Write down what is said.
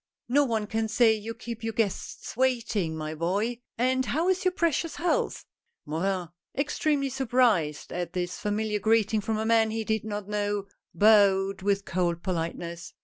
" No one can say you keep your guests waiting, my boy. And how is your precious health ?" Morin, extremely surprised at this familiar greeting from a man he did not know, bowed with cold polite ness.